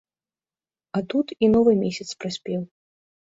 А тут і новы месяц прыспеў.